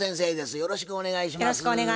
よろしくお願いします。